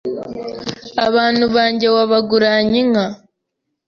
Abantu banjye wabaguranye inka